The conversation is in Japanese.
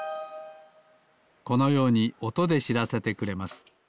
このようにおとでしらせてくれます。